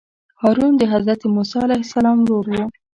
هارون د حضرت موسی علیه السلام ورور وو.